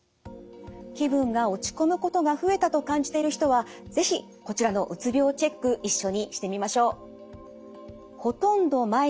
気分が落ち込むことが増えたと感じている人は是非こちらのうつ病をチェック一緒にしてみましょう。